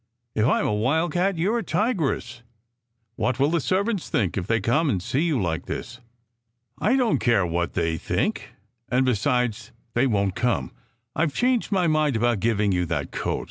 " If I m a wild cat, you re a tigress. What will the servants think if they come and see you like this?" " I don t care what they think. And besides, they won t come. I ve changed my mind about giving you that coat.